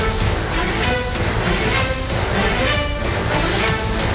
สถานที่๙๐นาที